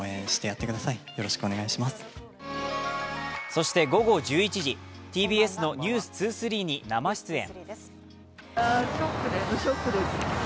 そして午後１１時ＴＢＳの「ｎｅｗｓ２３」に生出演。